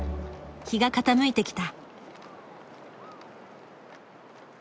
日が傾いてきた。